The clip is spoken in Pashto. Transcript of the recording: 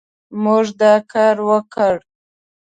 موږ دا کار وکړ